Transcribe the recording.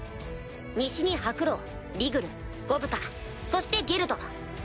西にハクロウリグルゴブタそしてゲルド。